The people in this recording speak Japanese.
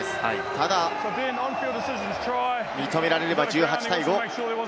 ただ認められれば、１８対５。